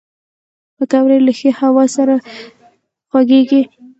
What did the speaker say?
پکورې له ښې هوا سره خوږېږي